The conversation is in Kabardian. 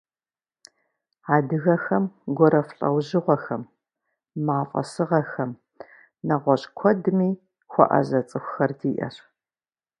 Адыгэхэм гуэрэф лӏэужьыгъуэхэм, мафӏэ сыгъэхэм, нэгъуэщӏ куэдми хуэӏэзэ цӏыхухэр диӏащ.